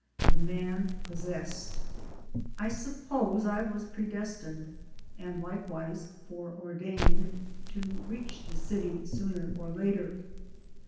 THE MAN POSSESSED I suppose I was predestined (and likewise foreordained) to reach the city sooner or later.